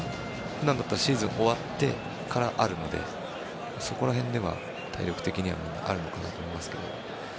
普段だったらシーズンが終わってからあるのでそこら辺では、体力的にはあるのかなと思いますけど。